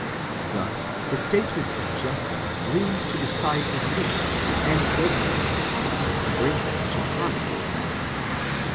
Thus the statement of Justin leans to the side of Luke and does not suffice to bring him into harmony with Matthew.